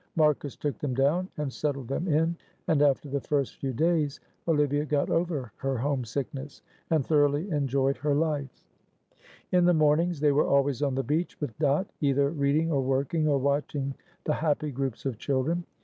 Marcus took them down and settled them in, and after the first few days Olivia got over her homesickness and thoroughly enjoyed her life. In the mornings they were always on the beach with Dot, either reading or working, or watching the happy groups of children.